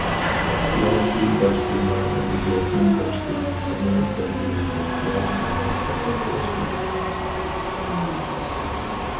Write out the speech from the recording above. سىياسىي باش تېما ئەدەبىياتنىڭ باش تېمىسىنى بەلگىلەيدۇ ۋە ئۇنىڭغا تەسىر كۆرسىتىدۇ.